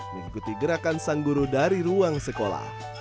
mengikuti gerakan sang guru dari ruang sekolah